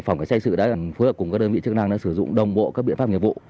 phòng cảnh sát hình sự đã phối hợp cùng các đơn vị chức năng đã sử dụng đồng bộ các biện pháp nghiệp vụ